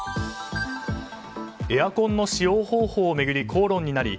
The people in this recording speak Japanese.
エアコンの使用方法を巡り